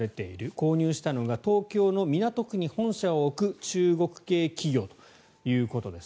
購入したのが東京の港区に本社を置く中国系企業ということです。